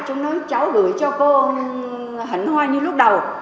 chúng nói cháu gửi cho cô hẳn hoa như lúc đầu